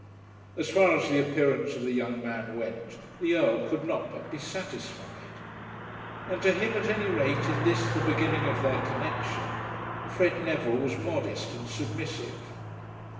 As far as the appearance of the young man went the Earl could not but be satisfied. And to him, at any rate in this, the beginning of their connexion, Fred Neville was modest and submissive.